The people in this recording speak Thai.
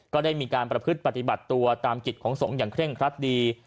ก็ได้มีการประพฤติปฏิบัติตัวตามกิจของสงฆ์อย่างเร่งครัดดี